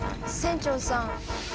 船長さん